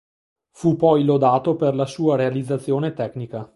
Fu poi lodato per la sua realizzazione tecnica.